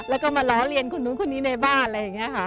แล้วก็มาล้อเลียนคนนู้นคนนี้ในบ้านอะไรอย่างนี้ค่ะ